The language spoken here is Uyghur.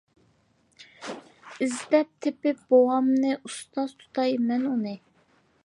ئىزدەپ تېپىپ بوۋامنى، ئۇستاز تۇتاي مەن ئۇنى.